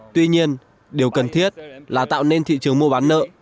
tuy nhiên điều cần thiết là tạo nên thị trường mua bán nợ